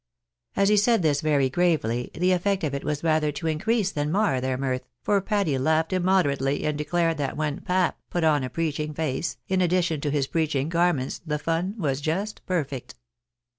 As he said this very gravely, the effect of it was rather to in crease than mar their mirth, for Patty laughed immoderately, and declared that when " pap" put on a preaching face, in addition to his preaching garments, the fun was just perfect.